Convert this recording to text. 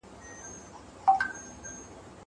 مطالعه لرونکي خلګ په ټولنه کي راښکونکي دي.